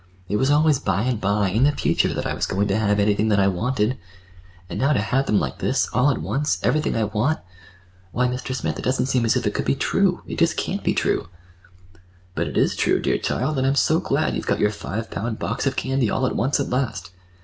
It was always by and by, in the future, that I was going to have—anything that I wanted. And now to have them like this, all at once, everything I want—why, Mr. Smith, it doesn't seem as if it could be true. It just can't be true!" "But it is true, dear child; and I'm so glad—you've got your five pound box of candy all at once at last.